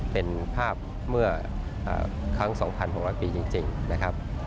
เป็นภาพเมื่อครั้ง๒๖๐๐ปีจริงนะครับ